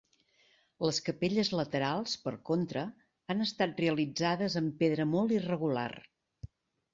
Les capelles laterals, per contra, han estat realitzades amb pedra molt irregular.